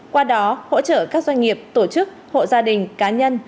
qua đó hỗ trợ các doanh nghiệp tổ chức hộ gia đình cá nhân